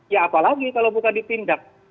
ya apalagi kalau bukan ditindak